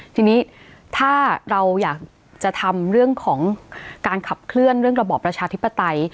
ทีนี้ถ้าเราอยากจะทำเรื่องของการขับเคลื่อนเรื่องระบอบประชาธิปไตย